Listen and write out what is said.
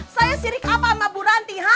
saya sirik apa sama bu nanti